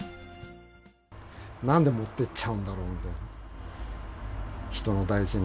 なんで持ってっちゃうんだろうみたいな。